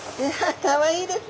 かわいいですね